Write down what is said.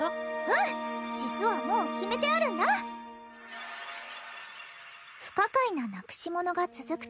うん実はもう決めてあるんだ不可解ななくしものが続く